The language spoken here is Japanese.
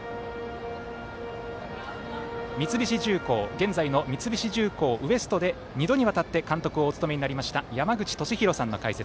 現在の三菱重工Ｗｅｓｔで二度にわたって監督をお務めになりました山口敏弘さんの解説。